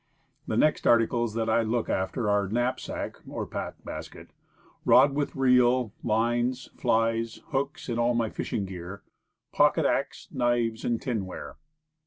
The next articles that I look after are knapsack (or pack basket), rod with reel, lines, flies, hooks, and all my fishing gear, pocket axe, knives and tinware.